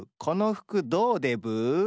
この服どうでブー？